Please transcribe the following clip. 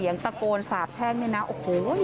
โชว์บ้านในพื้นที่เขารู้สึกยังไงกับเรื่องที่เกิดขึ้น